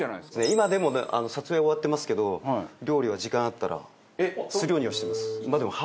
今でも撮影終わってますけど料理は時間あったらするようにはしてます。